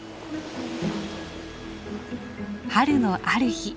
春のある日。